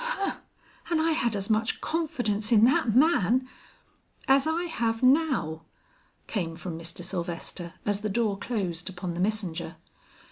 "Humph! and I had as much confidence in that man " "As I have now," came from Mr. Sylvester as the door closed upon the messenger.